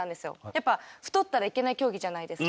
やっぱ太ったらいけない競技じゃないですか。